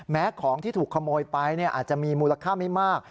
ของที่ถูกขโมยไปอาจจะมีมูลค่าไม่มาก